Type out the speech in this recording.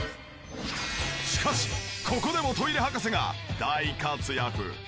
しかしここでもトイレ博士が大活躍！